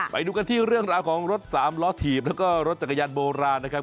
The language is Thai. ไปดูกันที่เรื่องราวของรถสามล้อถีบแล้วก็รถจักรยานโบราณนะครับ